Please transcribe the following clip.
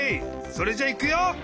それじゃいくよ！